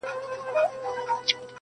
هر څوک ځان په بل حالت کي احساسوي ګډ,